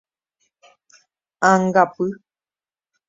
Ãngapy.